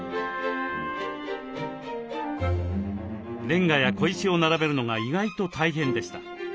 レンガや小石を並べるのが意外と大変でした。